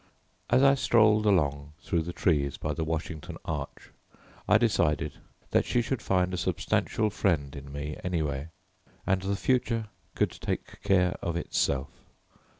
As I strolled along through the trees by the Washington Arch, I decided that she should find a substantial friend in me, anyway, and the future could take care of itself.